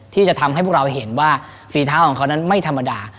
ที่จะทำให้พวกเราเห็นว่าฝีเท้าของเขานั้นไม่ธรรมดา